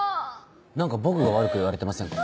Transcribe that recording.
何か僕が悪く言われてませんか？